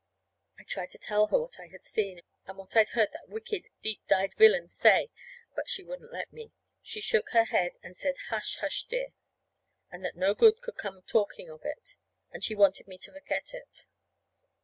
I tried to tell her what I'd seen, and what I'd heard that wicked, deep dyed villain say; but she wouldn't let me. She shook her head, and said, "Hush, hush, dear"; and that no good could come of talking of it, and she wanted me to forget it.